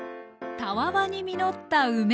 たわわに実った梅。